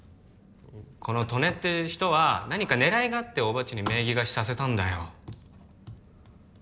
この刀根って人は何か狙いがあって大庭っちに名義貸しさせたんだよ